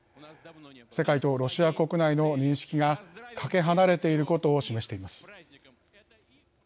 世界とロシア国内の認識がかけ離れていることを示しています。